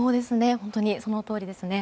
本当にそのとおりですね。